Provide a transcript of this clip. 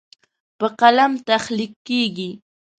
په قلم تخلیق کیږي.